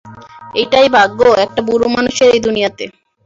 এইটাই ভাগ্য একটা বুড়ো মানুষের এই দুনিয়াতে।